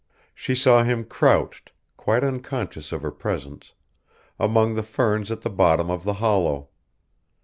She saw him crouched, quite unconscious of her presence, among the ferns at the bottom of the hollow.